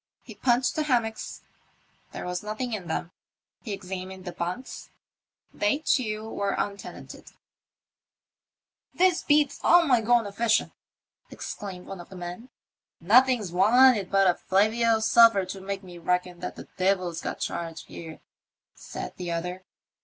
He punched the hammocks, there was nothing in them; he examined the bunks, they too were un tenanted. 10 THE MYSTEUr OF TEE ''OCEAN STAJR.^ " This beats all my goln' a fishin' !'* exclaimed one of the men. " Nothings wanted but a flavey o' sulphur to make me reckon that the Devil's got charge here," said the other.